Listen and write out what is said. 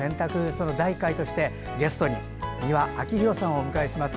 その第１回としてゲストに美輪明宏さんをお迎えします。